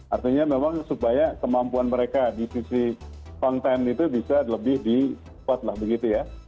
artinya memang supaya kemampuan mereka di sisi konten itu bisa lebih dikuat lah begitu ya